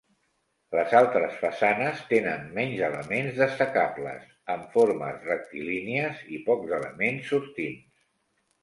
Les altres façanes tenen menys elements destacables, amb formes rectilínies i pocs elements sortints.